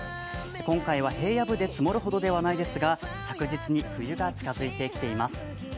今回は平野部で積もるほどではないですが着実に、冬が近づいてきています。